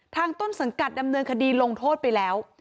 ต้นสังกัดดำเนินคดีลงโทษไปแล้ว